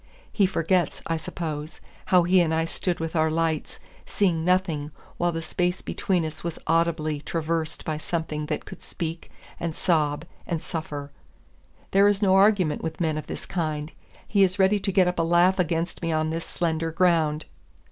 He forgets, I suppose, how he and I stood with our lights, seeing nothing, while the space between us was audibly traversed by something that could speak, and sob, and suffer. There is no argument with men of this kind. He is ready to get up a laugh against me on this slender ground.